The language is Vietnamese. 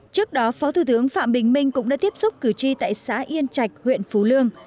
trước đó phó thủ tướng phạm bình minh cũng đã tiếp xúc cử tri tại xã yên trạch huyện phú lương